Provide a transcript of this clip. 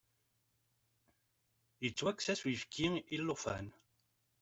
Yettwakkes-as uyefki i llufan.